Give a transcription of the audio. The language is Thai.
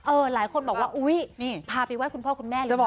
หลายคนบอกว่าอุ๊ยนี่พาไปไหว้คุณพ่อคุณแม่หรือเปล่า